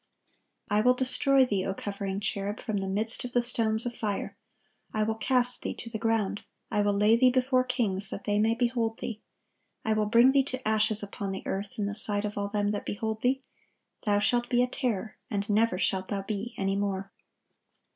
"I will destroy thee, O covering cherub, from the midst of the stones of fire.... I will cast thee to the ground, I will lay thee before kings, that they may behold thee.... I will bring thee to ashes upon the earth in the sight of all them that behold thee.... Thou shalt be a terror, and never shalt thou be any more."